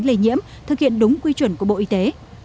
cách ly nhiễm thực hiện đúng quy chuẩn của bộ y tế